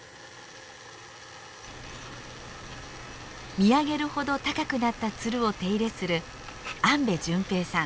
見上げるほど高くなったツルを手入れする安部純平さん。